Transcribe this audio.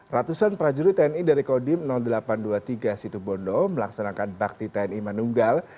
ratusan prajurit tni dari kodim delapan ratus dua puluh tiga situ bondo melaksanakan bakti tni manunggal